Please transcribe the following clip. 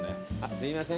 すいません